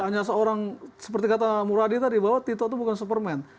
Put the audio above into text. hanya seorang seperti kata muradi tadi bahwa tito itu bukan superman